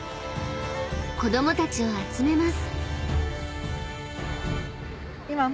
［子供たちを集めます］